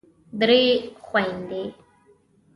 درې خوندې